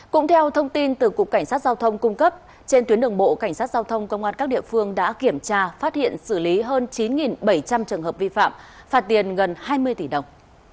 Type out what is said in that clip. cũng theo thông tin từ cục cảnh sát giao thông cung cấp trên tuyến đường bộ cảnh sát giao thông công an các địa phương đã kiểm tra phát hiện xử lý hơn chín bảy trăm linh trường hợp vi phạm phạt tiền gần hai mươi tỷ đồng